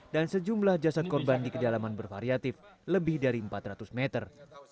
sejumlah jasad korban di kedalaman bervariatif lebih dari empat ratus meter